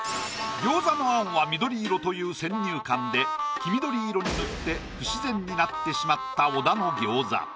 餃子の餡は緑色という先入観で黄緑色に塗って不自然になってしまった小田の餃子。